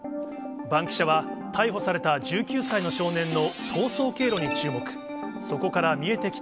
バンキシャは、逮捕された１９歳の少年の逃走経路に注目。